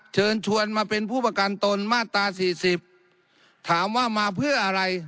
เชิญชวนมาเป็นผู้ประกันตนมาตราสี่สิบถามว่ามาเพื่ออะไร